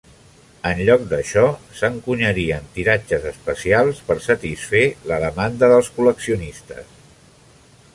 En lloc d'això, s'encunyarien tiratges especials per satisfer la demanda dels col·leccionistes.